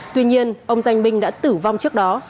tuy nhiên ông danh binh đã tử vong trước đó